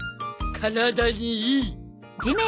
体にいい。